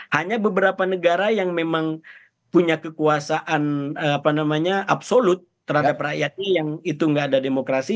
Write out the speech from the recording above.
hanya beberapa negara yang memang punya kekuasaan absolut terhadap rakyatnya yang itu nggak ada demokrasi